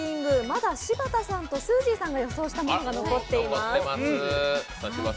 まだ柴田さんとすーじーさんが予想したものが残っています。